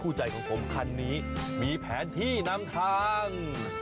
ใจของผมคันนี้มีแผนที่นำทาง